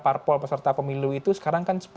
parpol peserta pemilu itu sekarang kan